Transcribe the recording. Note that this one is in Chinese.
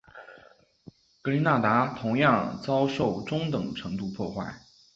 格林纳达同样遭受中等程度破坏。